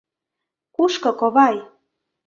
— Кушко, ковай?